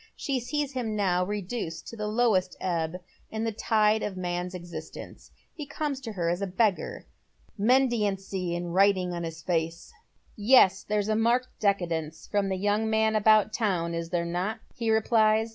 She sees him now reduced to the lowest ebb in the tide of man's existence. He comes to her as a beggar. Mendicancy is written on his face. " Yes, there's a marked decadence from the young man about town, is there not?" he replies.